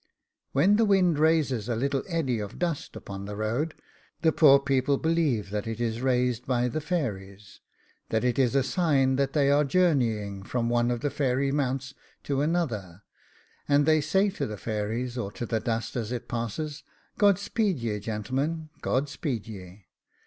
When the wind raises a little eddy of dust upon the road, the poor people believe that it is raised by the fairies, that it is a sign that they are journeying from one of the fairies' mounts to another, and they say to the fairies, or to the dust as it passes, 'God speed ye, gentlemen; God speed ye.